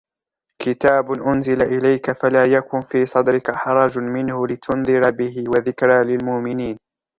كتاب أنزل إليك فلا يكن في صدرك حرج منه لتنذر به وذكرى للمؤمنين